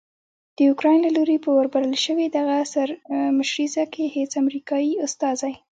داوکرایین له لوري په وربلل شوې دغه سرمشریزه کې هیڅ امریکایي استازی